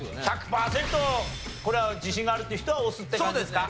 １００パーセントこれは自信があるっていう人は押すって感じですか？